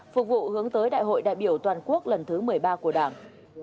phục vụ hướng tới đại hội đại biểu toàn quốc lần thứ một mươi ba của đảng